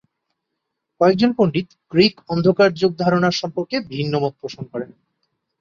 কয়েকজন পণ্ডিত গ্রিক অন্ধকার যুগ ধারণার সম্পর্কে ভিন্নমত পোষণ করেন।